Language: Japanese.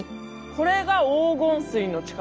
これが黄金水の力？